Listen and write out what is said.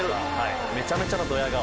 めちゃめちゃのドヤ顔